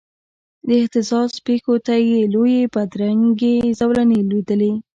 د اهتزاز پښو ته یې لویي بدرنګې زولنې لویدلې